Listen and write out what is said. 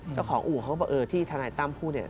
เจ้าของอู่เขาก็บอกเออที่ทนายต้ำผู้เนี่ย